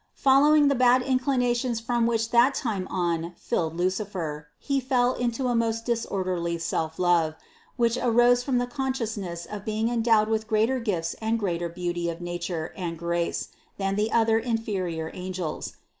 Following the bad incli nations which from that time on filled Lucifer, he fell into a most disorderly selflove, which arose from the consciousness of being endowed with greater gifts and greater beauty of nature and grace, than the other in ferior angels.